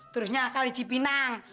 terusnya kali cipinang